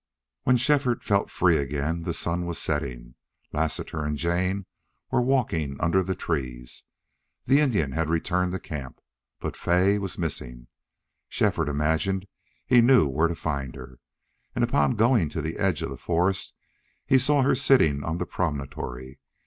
When Shefford felt free again the sun was setting. Lassiter and Jane were walking under the trees. The Indian had returned to camp. But Fay was missing. Shefford imagined he knew where to find her, and upon going to the edge of the forest he saw her sitting on the promontory.